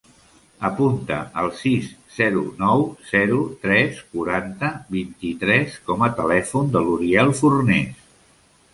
Apunta el sis, zero, nou, zero, tres, quaranta, vint-i-tres com a telèfon de l'Uriel Fornes.